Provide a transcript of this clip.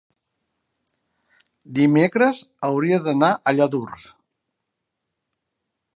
dimecres hauria d'anar a Lladurs.